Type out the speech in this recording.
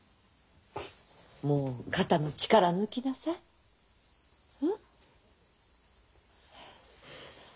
もう肩の力抜きなさい。ね？